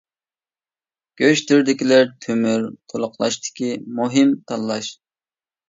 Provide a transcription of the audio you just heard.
گۆش تۈرىدىكىلەر تۆمۈر تولۇقلاشتىكى مۇھىم تاللاش.